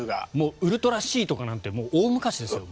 ウルトラＣなんて大昔ですよ。